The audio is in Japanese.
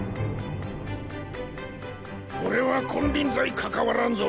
俺は金輪際関わらんぞ！